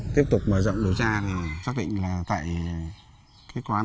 tiếp tục mở rộng điều tra thì xác định là tại cái quán